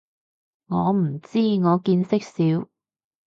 我唔知，我見識少